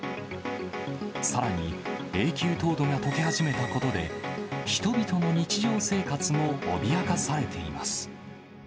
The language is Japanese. さらに永久凍土がとけ始めたことで、人々の日常生活も脅かされています。